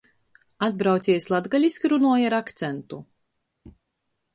Atbrauciejs latgaliski runuoja ar akcentu.